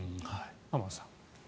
浜田さん。